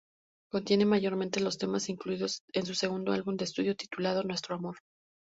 Contiene mayormente los temas incluidos en su segundo álbum de estudio titulado "Nuestro amor".